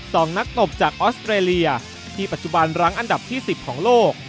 สองนักตบจากออสเตรเลียที่ปัจจุบันรั้งอันดับที่สิบของโลก